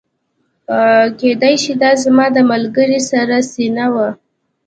کیدای شي دا زما د ملګري سړه سینه وه